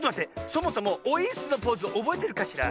そもそも「オイーッス！」のポーズおぼえてるかしら？